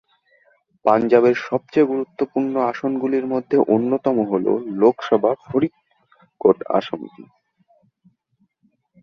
পাঞ্জাবের সবচেয়ে গুরুত্বপূর্ণ আসনগুলির মধ্যে অন্যতম হল লোকসভা ফরিদকোট আসনটি।